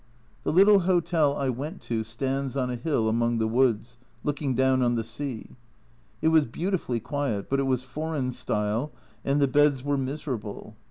The little hotel I went to stands on a hill among the woods, looking down on the sea ; it was beautifully quiet, but it was " foreign style," and the beds were miserable.